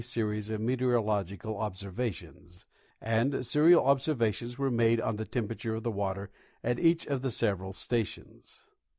series of meteorologic observations ; and serial observations were made on the temperature of tlie water at each of the several stations.